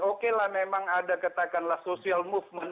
oke lah memang ada katakanlah social movement